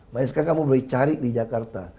makanya sekarang kamu boleh cari di jakarta